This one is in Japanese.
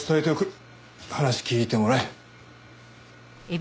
話聞いてもらえ。